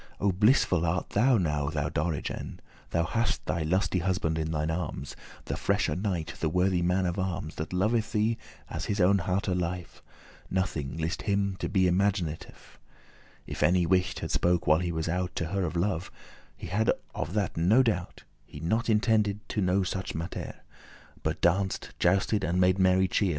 Oh, blissful art thou now, thou Dorigen! Thou hast thy lusty husband in thine arms, The freshe knight, the worthy man of arms, That loveth thee as his own hearte's life: *Nothing list him to be imaginatif* *he cared not to fancy* If any wight had spoke, while he was out, To her of love; he had of that no doubt;* *fear, suspicion He not intended* to no such mattere, *occupied himself with But danced, jousted, and made merry cheer.